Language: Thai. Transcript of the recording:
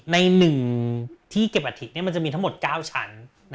ในหนึ่งที่เก็บอัฐิมันจะมีทั้งหมด๙ชั้น